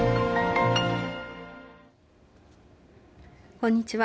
こんにちは。